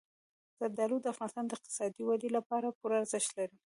زردالو د افغانستان د اقتصادي ودې لپاره پوره ارزښت لري.